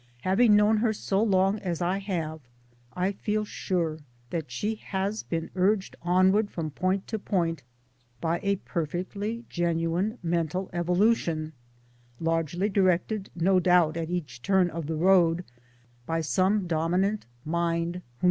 Having known her so long as I have I feel sure that she has been urged onward from point to point by a perfectly genuine mental evolu tion, largely directed no doubt at each turn of the road by some dominant mind whom.